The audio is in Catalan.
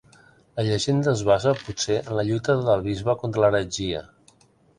La llegenda es basa, potser, en la lluita del bisbe contra l'heretgia.